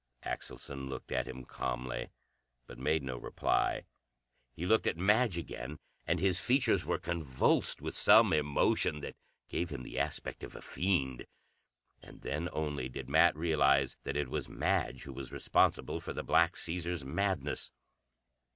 Axelson looked at him calmly, but made no reply. He looked at Madge again, and his features were convulsed with some emotion that gave him the aspect of a fiend. And then only did Nat realize that it was Madge who was responsible for the Black Caesar's madness.